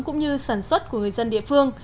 cũng như sản xuất của người dân địa phương